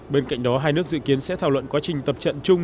bên cạnh đó hai nước dự kiến sẽ thảo luận quá trình tập trận chung